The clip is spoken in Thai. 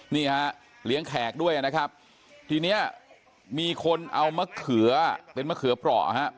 นี่ฮะเลี้ยงแขกด้วยนะครับทีเนี้ยมีคนเอามะเขือเป็นมะเขือเปราะฮะ